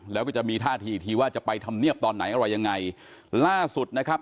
แล้วก็จะมีท่าทีทีว่าจะไปทำเนียบตอนไหนอะไรยังไงล่าสุดนะครับ